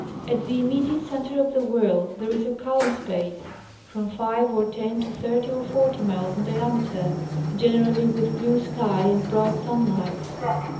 At the im mediate center of the whirl there is a calm space, from five or ten to thirty or forty miles in diameter, generally with blue sky and bright sunlight.